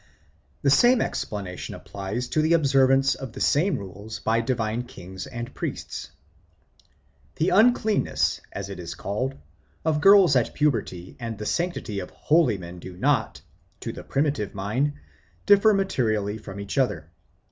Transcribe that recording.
The same explanation applies to the observance of the same rules by divine kings and priests. The uncleanness, as it is called, of girls at puberty and the sanctity of holy men do not, to the primitive mind, differ materially from each other.